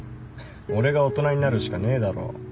俺が大人になるしかねえだろ。